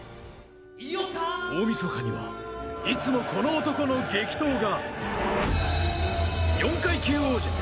大みそかには、いつもこの男の激闘が。